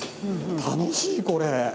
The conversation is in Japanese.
楽しいこれ。